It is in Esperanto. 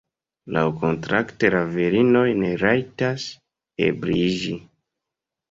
Laŭkontrakte la virinoj ne rajtas ebriiĝi.